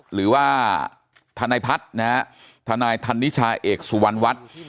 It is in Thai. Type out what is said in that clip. หรือว่าทนายพัฒน์นะฮะทนายธันนิชาเอกสุวรรณวัฒน์